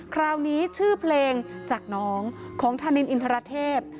คราวนี้ชื่อเพลงจากน้องของธานินอินทรเทพ